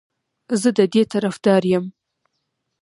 زه د دې طرفدار یم